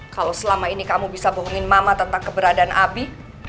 kalau selama ini kamu bisa bohongin mama tentang keberadaan abi